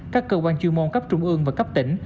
các cơ quan chuyên môn cấp trung ương và cấp tỉnh